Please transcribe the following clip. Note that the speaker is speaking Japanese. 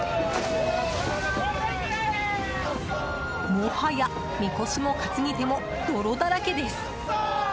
もはや、みこしも担ぎ手も泥だらけです。